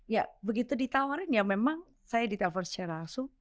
ya begitu ditawarin ya memang saya ditelepon secara langsung